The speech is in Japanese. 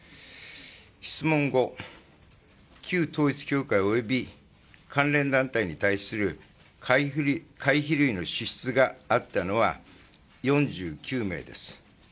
質問５、旧統一教会および関連団体に対する会費類の支出があったのは４９名です。